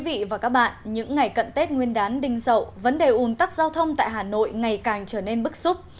và các bạn những ngày cận tết nguyên đán đinh dậu vấn đề ủn tắc giao thông tại hà nội ngày càng trở nên bức xúc